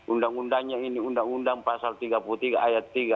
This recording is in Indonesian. undang undangnya ini undang undang pasal tiga puluh tiga ayat tiga